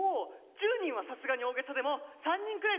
１０人はさすがに大げさでも３人くらいならできるか。